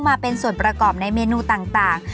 มาเป็นส่วนประกอบในเมนูต่าง